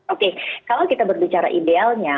oke kalau kita berbicara idealnya